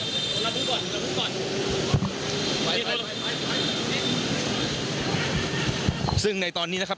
ตรงนั้นดูก่อนดูก่อนไปไปซึ่งในตอนนี้นะครับ